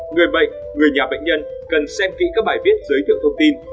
người bệnh người nhà bệnh nhân cần xem kỹ các bài viết giới thiệu thông tin